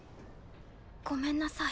ごめんなさい。